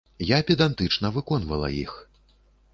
Я педантычна выконвала іх.